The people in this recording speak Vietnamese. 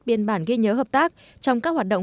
biên bản ghi nhớ hợp tác trong các hoạt động